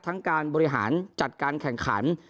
การบริหารจัดการแข่งขัน